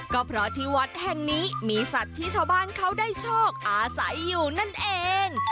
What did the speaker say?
ก็เพราะที่วัดแห่งนี้มีสัตว์ที่ชาวบ้านเขาได้โชคอาศัยอยู่นั่นเอง